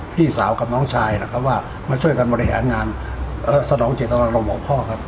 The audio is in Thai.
พี่สาวกับน้องชายนะครับว่ามาช่วยกันบริหารงานสนองเจตนารมณ์ของพ่อครับ